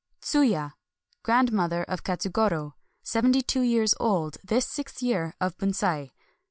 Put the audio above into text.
TsUYA. — Grandmother of Katsugoro. Sev enty two years old this sixth year of Bunsei.